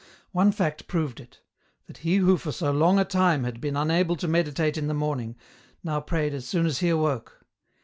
One fact proved it : that he who for so long a time had been unable to meditate in the morning, now prayed as soon as he awoke.